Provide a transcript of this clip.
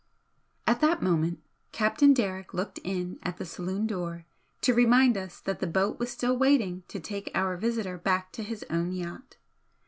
At that moment Captain Derrick looked in at the saloon door to remind us that the boat was still waiting to take our visitor back to his own yacht.